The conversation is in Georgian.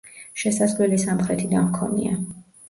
შესასვლელი სამხრეთიდან ჰქონია.